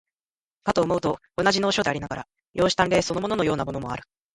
かと思うと、同じ能書でありながら、容姿端麗そのもののようなものもある。